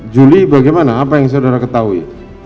juli bagaimana apa yang saudara ketahui